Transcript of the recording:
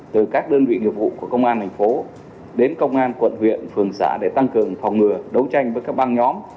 từ các đơn vị nghiệp vụ của công an thành phố đến công an quận huyện phường xã để tăng cường phòng ngừa đấu tranh với các băng nhóm